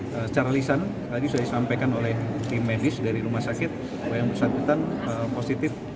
secara lisan tadi saya sampaikan oleh tim medis dari rumah sakit yang pesan kita positif